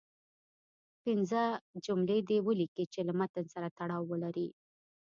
پنځه جملې دې ولیکئ چې له متن سره تړاو ولري.